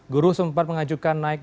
guru sempat mengajukan naik